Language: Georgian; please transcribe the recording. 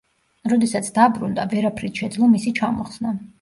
როდესაც დაბრუნდა, ვერაფრით შეძლო მისი ჩამოხსნა.